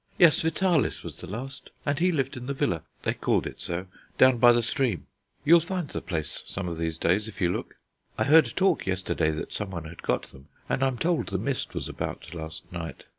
"Yes, Vitalis was the last, and he lived in the villa they called it so down by the stream. You'll find the place some of these days if you look. I heard talk yesterday that someone had got them, and I'm told the mist was about last night.